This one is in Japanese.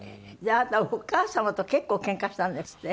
あなたはお母様と結構けんかしたんですって？